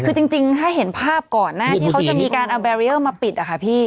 คือจริงจริงถ้าเห็นภาพก่อนน่ะที่เขาจะมีการเอามาปิดอ่ะค่ะพี่